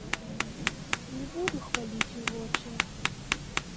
Не буду хваліць у вочы.